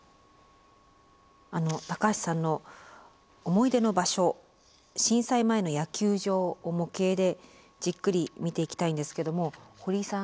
橋さんの思い出の場所震災前の野球場を模型でじっくり見ていきたいんですけども堀井さん